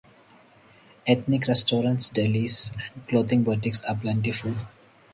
Ethnic restaurants, delis, and clothing boutiques are plentiful.